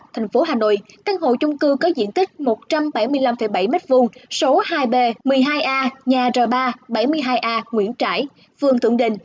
thành phố hà nội căn hộ chung cư có diện tích một trăm bảy mươi năm bảy m hai số hai b một mươi hai a nhà r ba bảy mươi hai a nguyễn trãi phường thượng đình